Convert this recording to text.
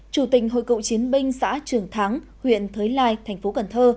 chủ tình hội cựu chiến binh xã trường thắng huyện thới lai tp cn